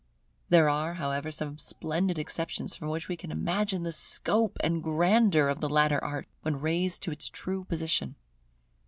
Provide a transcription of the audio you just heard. There are, however, some splendid exceptions from which we can imagine the scope and grandeur of the latter art, when raised to its true position.